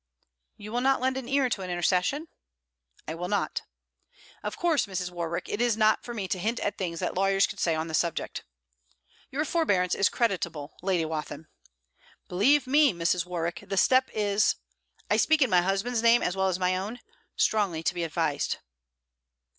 'You will not lend ear to an intercession?' 'I will not.' 'Of course, Mrs. Warwick, it is not for me to hint at things that lawyers could say on the subject.' 'Your forbearance is creditable, Lady Wathin.' 'Believe me, Mrs. Warwick, the step is I speak in my husband's name as well as my own strongly to be advised.'